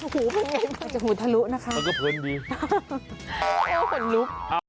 ก็ยังจะมุดทะลุนะคะเค้าพ้นดี